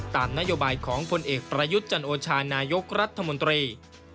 ตามนโยบายของผลเอกประยุทธ์จันโอชานายกรัฐมนตรี